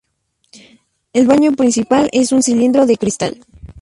El baño principal es un cilindro de cristal.